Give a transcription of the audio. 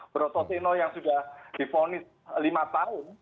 broto seno yang sudah diponis lima tahun